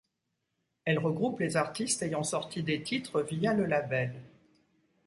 Elle regroupe les artistes ayant sorti des titres via le label.